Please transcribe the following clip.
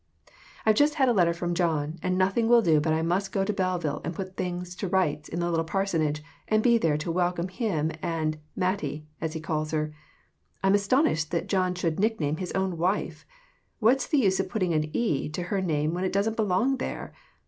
I've just had a letter from John, and nothing will do but I must go to Belleville and put things to rights a little in the parsonage, and be there to welcome him and "Mattie," as he calls her. I'm astonished that John should nick name his own wife! What is the use of putting an "ie" to her name when it doesn't belong there